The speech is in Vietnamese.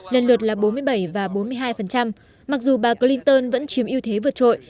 lần lượt là bốn mươi bảy và bốn mươi hai mặc dù bà clinton vẫn chiếm ưu thế vượt trội